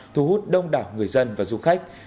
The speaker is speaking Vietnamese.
thu hút đông đảo người dân và du khách